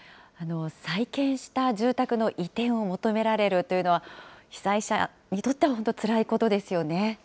再建した住宅の移転を求められるというのは、被災者にとっては本当、つらいことですよね。